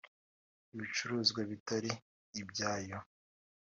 ibicuruzwa bitari ibyayo